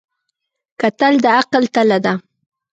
کتل د عقل تله ده